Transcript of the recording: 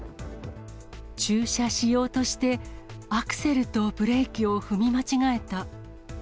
駐車しようとして、アクセルとブレーキを踏み間違えた。